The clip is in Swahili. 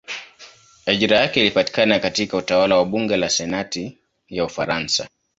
Ajira yake ilipatikana katika utawala wa bunge la senati ya Ufaransa.